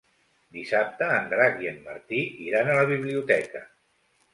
Dissabte en Drac i en Martí iran a la biblioteca.